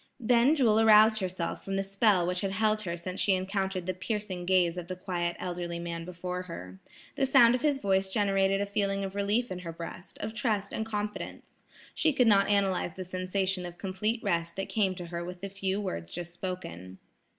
Then Jewel aroused herself from the spell which had held her since she encountered the piercing gaze of the quiet elderly man before her. The sound of his voice generated a feeling of relief in her breast, of trust and confidence. She could not analyze the sensation of complete rest that came to her with the few words just spoken.